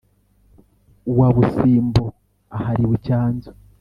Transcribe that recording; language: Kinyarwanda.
Uwa Busimbo aharirwe icyanzu